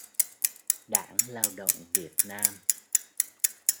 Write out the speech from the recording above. Đảng Lao động Việt Nam